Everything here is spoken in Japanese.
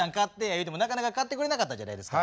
言うてもなかなか買ってくれなかったじゃないですか。